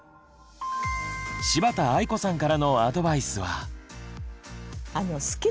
柴田愛子さんからのアドバイスは。